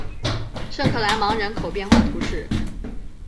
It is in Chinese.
圣克莱芒人口变化图示